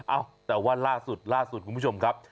เอ้าแต่ว่าล่าสุดคุณผู้ชมครับ